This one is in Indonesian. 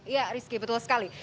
ya rizky betul sekali